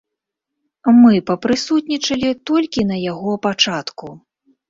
Мы папрысутнічалі толькі на яго пачатку.